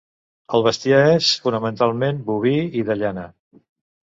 El bestiar és, fonamentalment, boví i de llana.